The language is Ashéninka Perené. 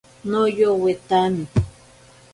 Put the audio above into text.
Noyowetami.